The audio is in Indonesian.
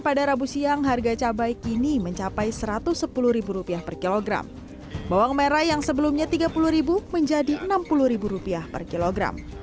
pada rabu siang harga cabai kini mencapai rp satu ratus sepuluh rupiah per kilogram bawang merah yang sebelumnya tiga puluh menjadi enam puluh rupiah per kilogram